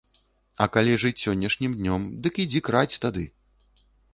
А калі жыць сённяшнім днём, дык ідзі крадзь тады!